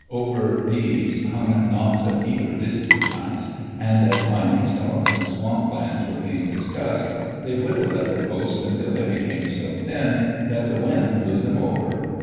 Over these hung knots of eager disputants, and as mining stocks and swamp lands were being discussed, they whittled at the posts, until they became so thin that the wind blew them over.